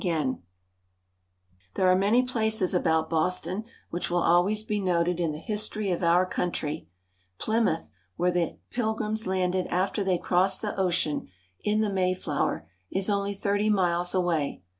98 NEW ENGLAND. There are many places about Boston which will always be noted in the history of our country. Plymouth, where the Pilgrims landed after they crossed the ocean in the MayJIozver, is only thirty miles away.